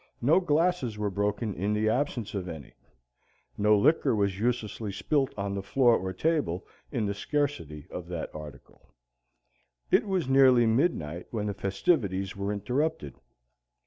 No glasses were broken in the absence of any; no liquor was uselessly spilt on floor or table in the scarcity of that article. It was nearly midnight when the festivities were interrupted.